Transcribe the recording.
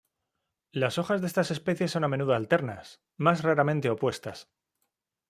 Las hojas de estas especies son a menudo alternas, más raramente opuestas.